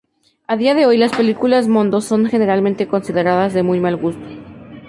A día de hoy, las películas mondo son generalmente consideradas de muy mal gusto.